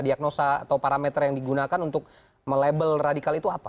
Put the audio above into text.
diagnosa atau parameter yang digunakan untuk melabel radikal itu apa